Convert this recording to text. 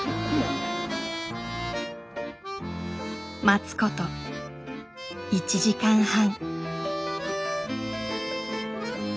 待つこと１時間半。